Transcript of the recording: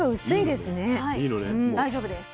大丈夫です。